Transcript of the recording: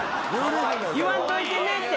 言わんといてねって。